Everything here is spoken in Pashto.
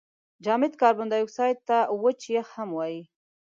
جامد کاربن دای اکساید ته وچ یخ هم وايي.